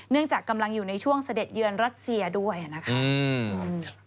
จากกำลังอยู่ในช่วงเสด็จเยือนรัสเซียด้วยนะคะอืม